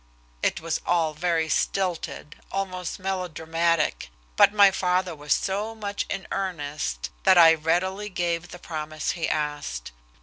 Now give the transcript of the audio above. It was all very stilted, almost melodramatic, but my father was so much in earnest that I readily gave the promise he asked.